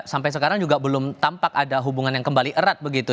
sampai sekarang juga belum tampak ada hubungan yang kembali erat begitu